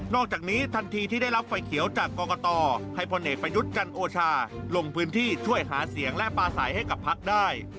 อกจากนี้ทันทีที่ได้รับไฟเขียวจากกรกตให้พลเอกประยุทธ์จันโอชาลงพื้นที่ช่วยหาเสียงและปลาใสให้กับพักได้